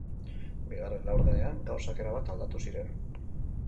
Bigarren laurdenean gauzak erabat aldatu ziren.